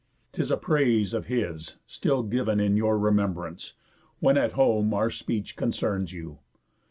'Tis a praise of his, Still giv'n in your remembrance, when at home Our speech concerns you.